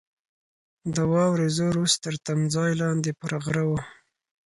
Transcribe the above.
د واورې زور اوس تر تمځای لاندې پر غره وو.